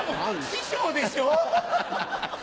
師匠でしょう。